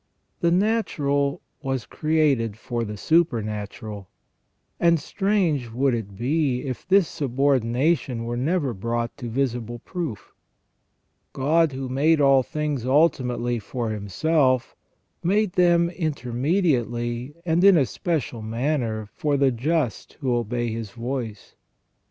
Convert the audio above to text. The natural was created for the supernatural, and strange would it be if this subordination were never brought to visible proof. God, who made all things ultimately for Himself, made them intermediately and in a special manner for the just who obey His voice.